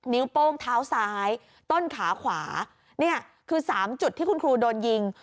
โป้งเท้าซ้ายต้นขาขวานี่คือ๓จุดที่คุณครูโดนยิง